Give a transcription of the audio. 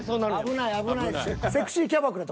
危ない危ない。